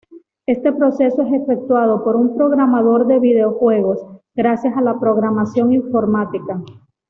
Este proceso es efectuado por un programador de videojuegos, gracias a la programación informática.